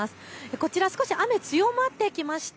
こちら少し雨が強まってきました。